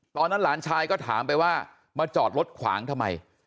หลานชายก็ถามไปว่ามาจอดรถขวางทำไม